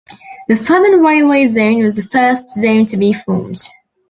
The Southern Railway zone was the first zone to be formed.